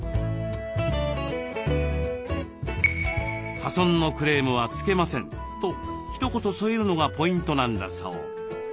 「破損のクレームはつけません」とひと言添えるのがポイントなんだそう。